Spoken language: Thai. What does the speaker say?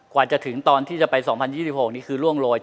กว่าจะถึงตอนที่จะไป๒๐๒๖นี่คือร่วงโรย